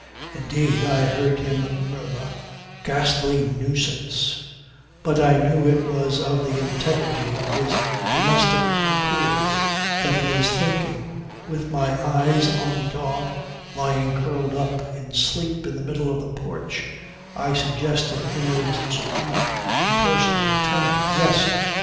Indeed I heard him murmur "Ghastly nuisance," but I knew it was of the integrity of his domestic accord that he was thinking. With my eyes on the dog lying curled up in sleep in the middle of the porch I suggested in a subdued impersonal tone: "Yes.